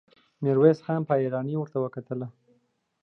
ميرويس خان په حيرانۍ ور وکتل.